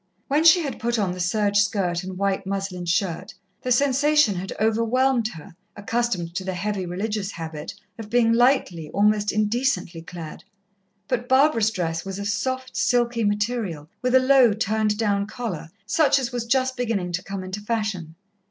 When she had put on the serge skirt and white muslin shirt, the sensation had overwhelmed her, accustomed to the heavy religious habit, of being lightly, almost indecently clad. But Barbara's dress was of soft, silky material, with a low, turned down collar, such as was just beginning to come into fashion.